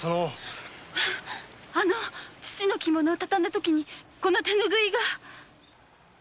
あの父の着物を畳んだときこの手ぬぐいが。